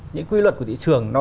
những quy luật của thị trường